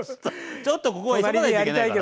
ちょっとここは急がないといけないかな。